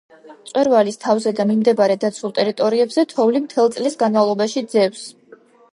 მწვერვალის თავზე და მიმდებარე დაცულ ტერიტორიებზე თოვლი მთელი წლის განმავლობაში ძევს.